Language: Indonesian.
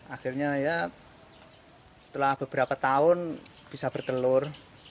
akhirnya ya setelah beberapa tahun bisa bertelur